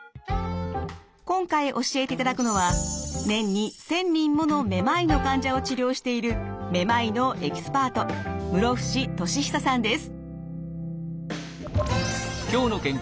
今回教えていただくのは年に１，０００人ものめまいの患者を治療しているめまいのエキスパート室伏利久さんです。